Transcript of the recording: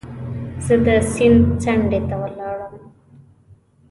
زه د سیند څنډې ته ولاړ وم.